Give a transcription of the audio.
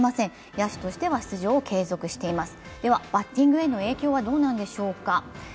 野手としては出場を継続しています。